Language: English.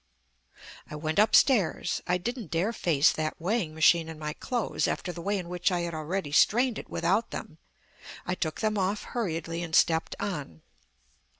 I went upstairs. I didn't dare face that weighing machine in my clothes after the way in which I had already strained it without them. I took them off hurriedly and stepped on.